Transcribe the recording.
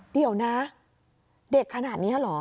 เดี๋ยวนะเด็กขนาดนี้เหรอ